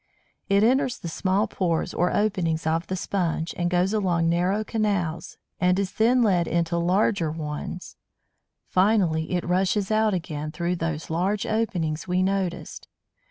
It enters the small pores, or openings, of the Sponge, and goes along narrow canals, and is then led into larger ones. Finally, it rushes out again through those large openings we noticed.